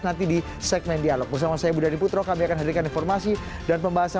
nanti di segmen dialog bersama saya budha diputro kami akan hadirkan informasi dan pembahasan